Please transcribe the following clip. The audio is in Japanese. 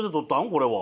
これは。